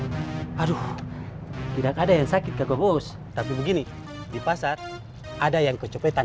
tidak ada yang sakit kakak bos tapi begini di pasar ada yang kecepetan